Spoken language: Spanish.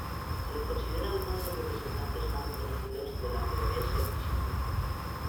Se le considera uno de los representantes más reconocidos de la geodesia física.